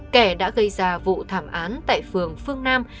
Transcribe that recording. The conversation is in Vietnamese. kẻ đã gây ra vụ thảm án tại phường phương nam